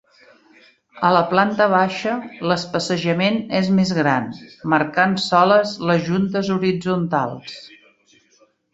A la planta baixa l'especejament és més gran, marcant soles les juntes horitzontals.